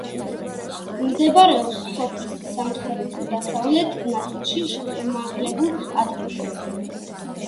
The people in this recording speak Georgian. მდებარეობს სოფლის სამხრეთ-დასავლეთ ნაწილში, შემაღლებულ ადგილზე.